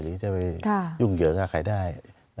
หรือจะไปยุ่งเหยิงกับใครได้